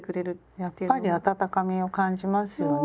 やっぱり温かみを感じますよね。